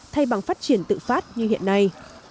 thay bằng phát triển tự phát như hiện nay